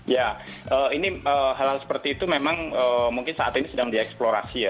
ya ini hal hal seperti itu memang mungkin saat ini sedang dieksplorasi ya